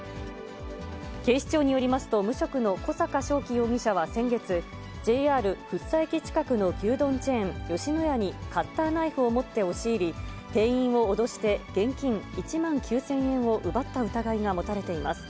警視庁によりますと、無職の小阪渉生容疑者は先月、ＪＲ福生駅近くの牛丼チェーン、吉野家にカッターナイフを持って押し入り、店員を脅して、現金１万９０００円を奪った疑いが持たれています。